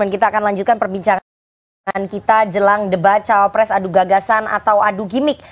dan kita akan lanjutkan perbincangan kita jelang debat cawapres adu gagasan atau adu gimmick